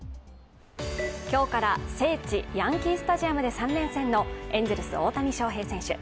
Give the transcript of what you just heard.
今日から聖地・ヤンキースタジアムで３連戦のエンゼルス・大谷翔平選手。